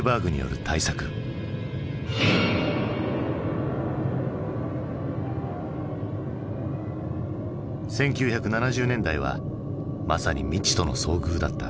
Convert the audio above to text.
１９７０年代はまさに未知との遭遇だった。